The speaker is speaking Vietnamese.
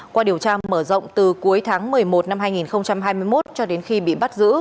qua điều tra mở rộng từ cuối tháng một mươi một năm hai nghìn hai mươi một cho đến khi bị bắt giữ